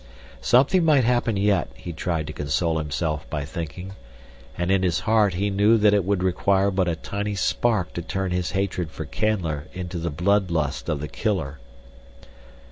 Something might happen yet, he tried to console himself by thinking. And in his heart, he knew that it would require but a tiny spark to turn his hatred for Canler into the blood lust of the killer.